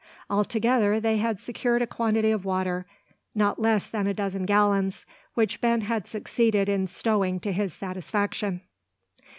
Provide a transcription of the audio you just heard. Altogether they had secured a quantity of water, not less than a dozen gallons, which Ben had succeeded in stowing to his satisfaction.